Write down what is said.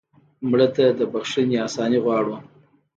مړه ته د بښنې آساني غواړو